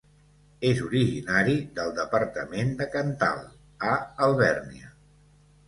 És originari del departament de Cantal, a Alvèrnia.